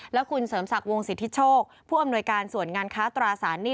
และคุณเสริมศักดิ์วงสิทธิโชคผู้อำนวยการส่วนงานค้าตราสารหนี้